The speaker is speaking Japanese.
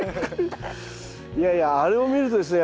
いやいやあれを見るとですね